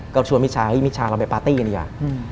ก็ชวนมิชชาให้มิชชาเราไปปาร์ตี้กันดีกว่า